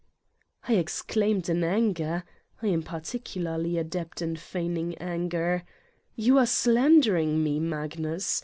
I exclaimed in anger (I am particularly adept in feigning anger) : "You are slandering me, Magnus!